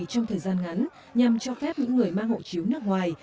trong thời gian ngắn nhằm cho phép những người mang hộ chiếu nước ngoài